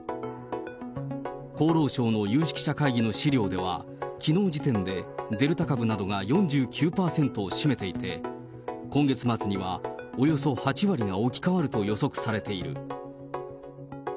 厚労省の有識者会議の資料では、きのう時点で、デルタ株などが４９％を占めていて、今月末にはおよそ８割が置き換わると予測されている。